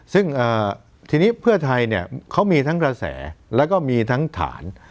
ซึ่งทีนี้เพื่อไทยเนี่ยเขามีทั้งกระแสแล้วก็มีทั้งฐาน